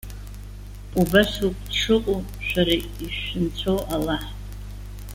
Убас ауп дшыҟоу шәара ишәынцәоу Аллаҳ.